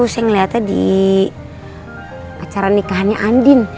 saya ngeliatnya di acara nikahannya andin